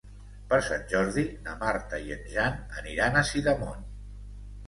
Per Sant Jordi na Marta i en Jan aniran a Sidamon.